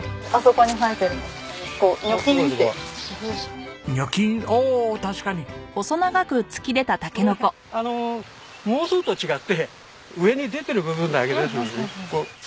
これ孟宗と違って上に出てる部分だけですのでね。